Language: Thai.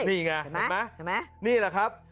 นี่ไงเห็นไหมนี่แหละครับ